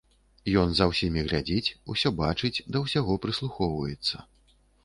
Ён за ўсімі глядзіць, усё бачыць, да ўсяго прыслухоўваецца.